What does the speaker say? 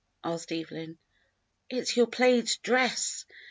asked Evelyn. "It's your plaid dress.